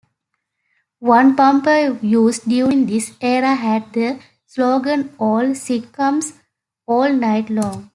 One bumper used during this era had the slogan "All Sitcoms, All Night Long".